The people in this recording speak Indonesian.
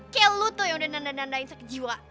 kayak lo tuh yang udah nandain sakit jiwa